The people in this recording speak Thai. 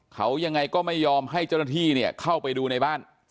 เขายังไงก็ไม่ยอมให้เจ้าหน้าที่เนี่ยเข้าไปดูในบ้าน